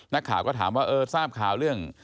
นักข่าวก็ถามว่าเออทราบข่าวเรื่อง